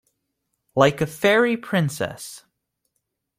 Like a fairy princess.